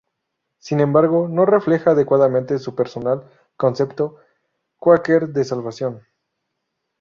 Sin embargo, no refleja adecuadamente su personal concepto Quaker de salvación.